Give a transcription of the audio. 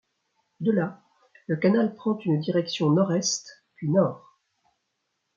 De là, le canal prend une direction nord-est, puis nord.